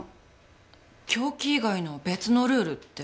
凶器以外の別のルールって。